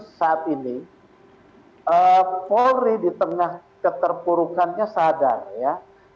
saat ini polri di tengah keterpurukannya sadar ya